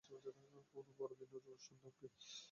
কোনো বড়দিনের অনুষ্ঠান না কি?